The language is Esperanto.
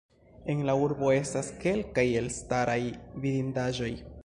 En la urbo estas kelkaj elstaraj vidindaĵoj.